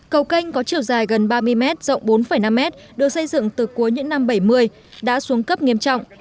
cầu canh có chiều dài gần ba mươi m rộng bốn năm m được xây dựng từ cuối những năm bảy mươi đã xuống cấp nghiêm trọng